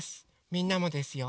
みんなもですよ。